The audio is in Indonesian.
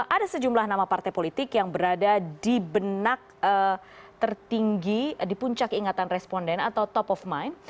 ada sejumlah nama partai politik yang berada di benak tertinggi di puncak ingatan responden atau top of mind